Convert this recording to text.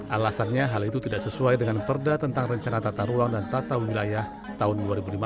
alasannya hal itu tidak sesuai dengan perda tentang rencana tata ruang dan tata wilayah tahun dua ribu lima belas dua ribu tiga puluh lima